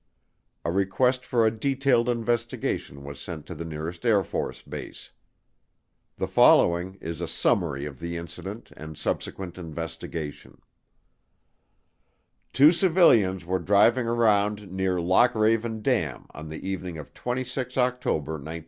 A request for a detailed investigation was sent to the nearest Air Force Base. The following is a summary of the incident and subsequent investigation: "Two civilians were driving around near Lock Raven Dam on the evening of 26 October 1958.